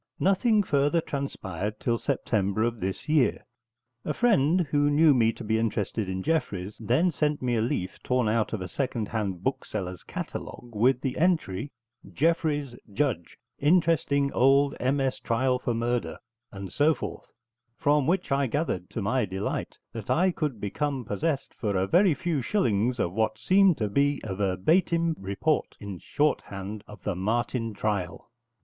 Nothing further transpired till September of this year. A friend who knew me to be interested in Jeffreys then sent me a leaf torn out of a second hand bookseller's catalogue with the entry: JEFFREYS, JUDGE: Interesting old MS. trial for murder, and so forth, from which I gathered, to my delight, that I could become possessed, for a very few shillings, of what seemed to be a verbatim report, in shorthand, of the Martin trial.